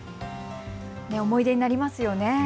思い出になりますよね。